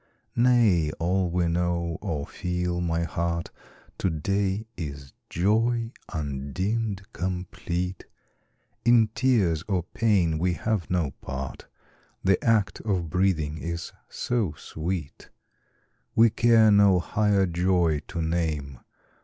Nay! all we know, or feel, my heart, To day is joy undimmed, complete; In tears or pain we have no part; The act of breathing is so sweet, We care no higher joy to name.